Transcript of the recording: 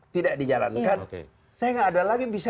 tidak dijalankan saya nggak ada lagi bisa